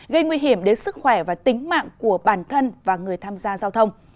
gây nguy hiểm đến sức khỏe và tính mạng của bản thân và người tham gia giao thông